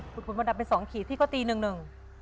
คุณพอดัเป็นสองขีดที่เขาตีหนึ่ง